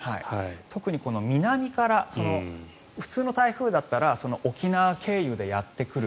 特に南から普通の台風だったら沖縄経由でやってくる。